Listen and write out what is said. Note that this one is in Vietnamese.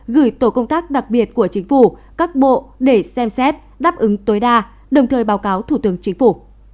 gửi tổ công tác đặc biệt của chính phủ các bộ để xem xét đáp ứng tối đa đồng thời báo cáo thủ tướng chính phủ